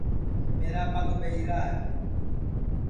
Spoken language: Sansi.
میرا پگ ٻہیرا ہے